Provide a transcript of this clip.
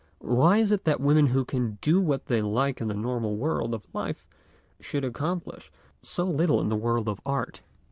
Why is it that women who can do what they like in the normal world of life should accomplish so little in the world of art?